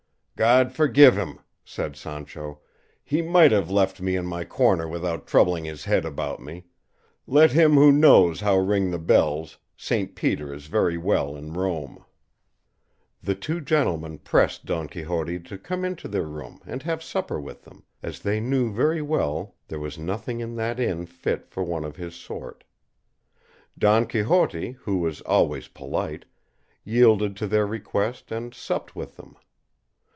"God forgive him," said Sancho; "he might have left me in my corner without troubling his head about me; 'let him who knows how ring the bells; 'Saint Peter is very well in Rome.'" The two gentlemen pressed Don Quixote to come into their room and have supper with them, as they knew very well there was nothing in that inn fit for one of his sort. Don Quixote, who was always polite, yielded to their request and supped with them.